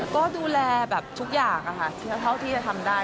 ก็ดูแลแบบทุกอย่างค่ะเท่าที่จะทำได้